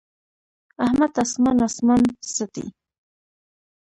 احمد اسمان اسمان څټي.